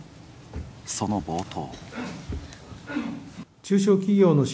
その冒頭。